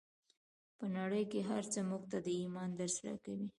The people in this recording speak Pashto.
په نړۍ کې هر څه موږ ته د ایمان درس راکوي